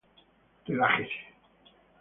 Relájese